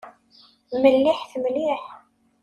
Melliḥet mliḥ.